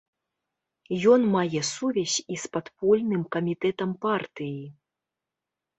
Ён мае сувязь і з падпольным камітэтам партыі.